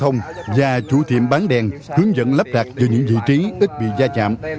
xe công nông và chủ tiệm bán đèn hướng dẫn lắp đặt vào những vị trí ít bị gia chạm